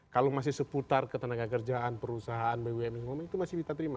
kalau masih seputar ketenaga kerjaan perusahaan bumn itu masih kita terima